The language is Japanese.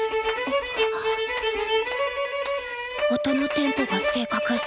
音のテンポが正確。